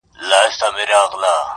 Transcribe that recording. پلاره هیڅ ویلای نه سمه کړېږم,